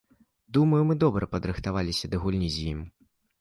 Думаю, мы добра падрыхтаваліся да гульні з ім.